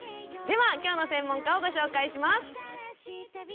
ではきょうの専門家をご紹介します。